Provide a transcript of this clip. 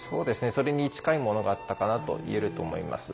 それに近いものがあったかなと言えると思います。